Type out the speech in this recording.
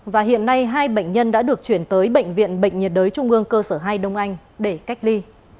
và hiện nay hai bệnh nhân đã được chuyển tới bệnh viện bệnh nhiệt đới trung ương cơ sở hai đông anh để cách ly